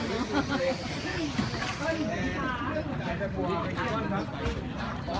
นู้ใส่พิมพ์สีขาว